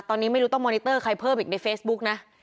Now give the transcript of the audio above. ตอนนี้ไม่รู้ต้องมอนิเตอร์ใครเพิ่มอีกในเฟซบุ๊กนะ